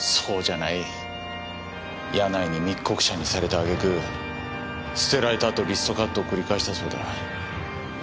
柳井に密告者にされた挙句捨てられたあとリストカットを繰り返したそうだ。